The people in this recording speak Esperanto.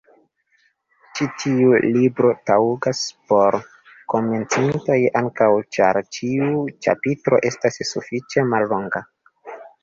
Ĉi tiu libro taŭgas por komencintoj ankaŭ ĉar ĉiu ĉapitro estas sufiĉe mallonga.